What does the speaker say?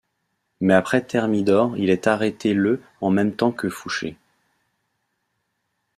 Mais après Thermidor, il est arrêté le en même temps que Fouché.